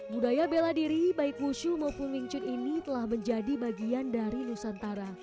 budaya bela diri baik wushu maupun wing chun ini telah menjadi bagian dari nusantara